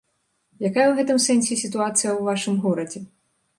Якая ў гэтым сэнсе сітуацыя ў вашым горадзе?